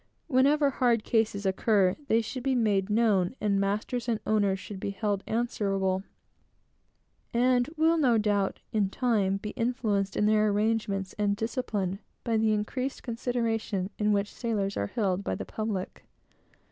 Whenever hard cases occur, they should be made known, and masters and owners should be held answerable, and will, no doubt, in time, be influenced in their arrangements and discipline by the increased consideration in which sailors are held by the public.